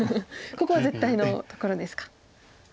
ここは絶対のところですか。